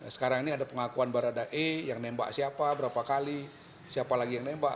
sekarang ini ada pengakuan barada e yang nembak siapa berapa kali siapa lagi yang nembak